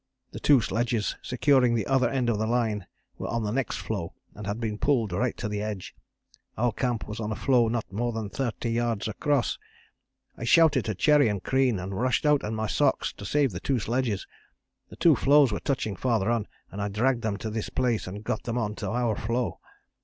The two sledges securing the other end of the line were on the next floe and had been pulled right to the edge. Our camp was on a floe not more than 30 yards across. I shouted to Cherry and Crean, and rushed out in my socks to save the two sledges; the two floes were touching farther on and I dragged them to this place and got them on to our floe.